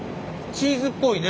チーズっぽいね。